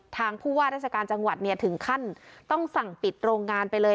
ผู้ว่าราชการจังหวัดเนี่ยถึงขั้นต้องสั่งปิดโรงงานไปเลย